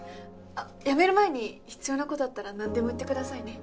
辞める前に必要なことあったら何でも言ってくださいね。